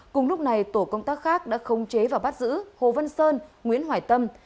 cùng lúc này tổ công tác khác đã không chế và bắt giữ hồ vân sơn nguyễn hoài tâm